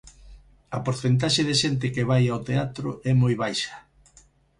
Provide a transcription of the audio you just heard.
A porcentaxe de xente que vai ao teatro é moi baixa.